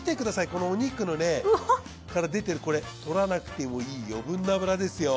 このお肉から出てるこれとらなくてもいい余分な脂ですよ。